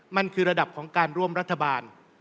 มันคือระดับของการร่วมรัฐบาล